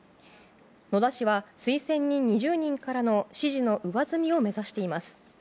野田氏は推薦人２０人からの支持の上積みを目指しています。